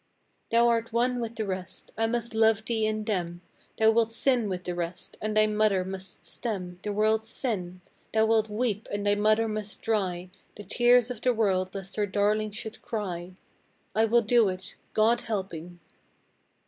Thou art one with the rest. I must love thee in them. Thou wilt sin with the rest; and thy mother must stem The world's sin. Thou wilt weep, and thy mother must dry The tears of the world lest her darling should cry. I will do it God helping!